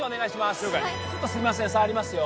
了解ちょっとすいません触りますよ